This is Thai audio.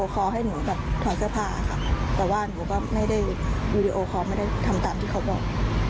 ขอให้หนูแบบถอดเสื้อผ้าค่ะแต่ว่าหนูก็ไม่ได้วีดีโอคอลไม่ได้ทำตามที่เขาบอก